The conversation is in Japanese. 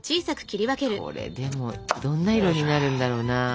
これでもどんな色になるんだろうな。